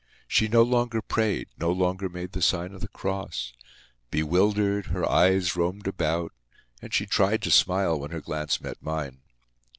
She no longer prayed, no longer made the sign of the cross. Bewildered, her eyes roamed about, and she tried to smile when her glance met mine.